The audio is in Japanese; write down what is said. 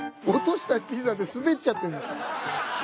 落としたピザで滑っちゃってる。